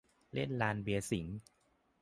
เล่นลานเบียร์สิงห์